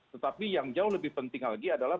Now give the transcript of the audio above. tetapi yang jauh lebih penting lagi adalah